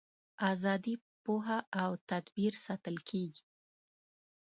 ازادي په پوهه او تدبیر ساتل کیږي.